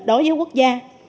đối với quốc gia